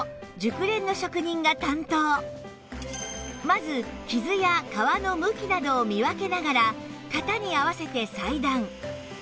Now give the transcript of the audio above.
まず傷や革の向きなどを見分けながら型に合わせて裁断